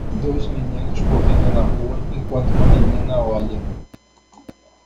Dois meninos correndo na rua, enquanto uma menina olha.